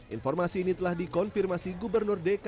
informasi ini telah dikonfirmasi gubernur dki jakarta